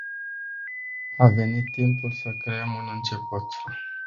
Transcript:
A venit timpul să creăm un început.